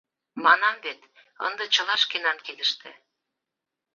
Манам вет: ынде чыла шкенан кидыште.